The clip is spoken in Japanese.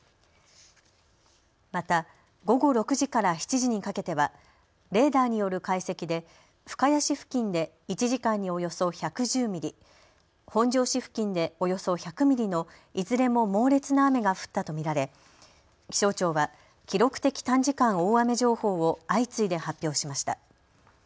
また、午後６時から７時にかけてはレーダーによる解析で深谷市付近で１時間におよそ１１０ミリ、本庄市付近でおよそ１００ミリのいずれも猛烈な雨が降ったと見られ気象庁は記録的短時間大雨情報を相次いで発表しました。